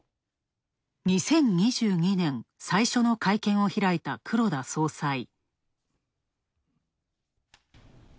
２０２２年、最初の会見を開いた黒田総裁。